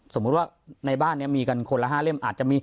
สมมุติว่าในบ้านเนี่ยมีกันคนละ๕เล่ม